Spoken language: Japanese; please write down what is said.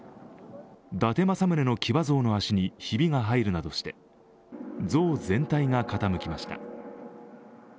伊達政宗の騎馬像の足にひびが入るなどして像全体が傾きました。